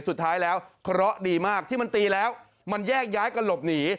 สุดท้ายแล้วเคราะห์ดีมากที่มันตีแล้วมันแยกย้ายกันหลบหนี